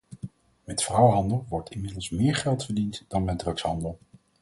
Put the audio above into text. Met vrouwenhandel wordt inmiddels meer geld verdient dan met drugshandel.